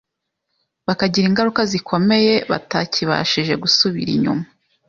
bakagira ingaruka zikomeye batakibashije gusubira inyuma